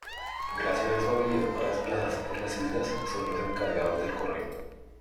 Gracias a su habilidad para desplazarse por las islas, son los encargados del correo.